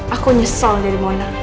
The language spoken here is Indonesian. aku nyesel dari mona